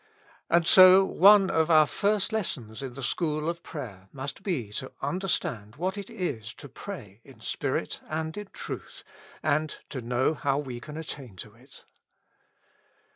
And so one of our first lessons in the school of prayer must be to understand what it is to pray in spirit and in truth, and to know how we can attain to it.